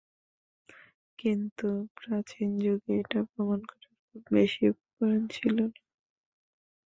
কিন্তু প্রাচীন যুগে এটা প্রমাণ করার খুব বেশি উপকরণ ছিল না।